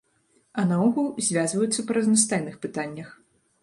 А наогул, звязваюцца па разнастайных пытаннях.